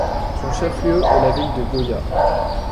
Son chef-lieu est la ville de Goya.